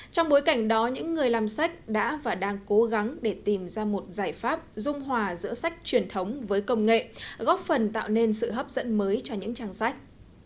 trong bối cảnh đó những người làm sách đã và đang cố gắng để tìm ra một giải pháp dung hòa giữa sách truyền thống với công nghệ góp phần tạo nên sự hấp dẫn mới cho những trang sách